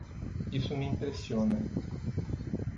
Isso me impressiona!